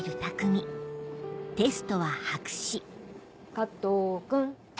加藤君。